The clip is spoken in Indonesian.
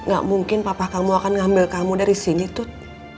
gak mungkin papa kamu akan ngambil kamu dari sini tuh